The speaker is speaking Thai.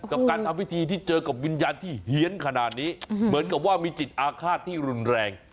กับการทำพิธีที่เจอกับวิญญาณที่เฮียนขนาดนี้เหมือนกับว่ามีจิตอาฆาตที่รุนแรง